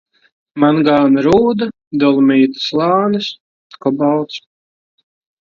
Mangāna rūda, dolomīta slānis. Kobalts.